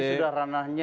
ini sudah ranahnya